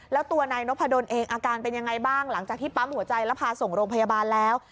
แล้วตัวนายนพดลเองอาการเป็นยังไงบ้างหลังจากที่ปั๊มหัวใจแล้วพาส่งโรงพยาบาลแล้ว